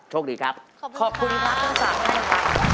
โชคดีครับขอบคุณครับขอบคุณครับขอบคุณครับขอบคุณครับ